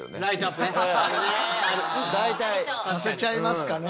させちゃいますかね。